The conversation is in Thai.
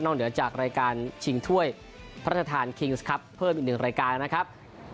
เหนือจากรายการชิงถ้วยพระราชทานคิงส์ครับเพิ่มอีกหนึ่งรายการนะครับ